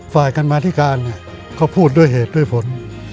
ฝ่ายกันมาธิการเขาพูดด้วยเหตุด้วยผล